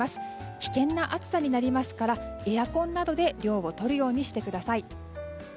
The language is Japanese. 危険な暑さになりますからエアコンなどで涼をとるようにしてください。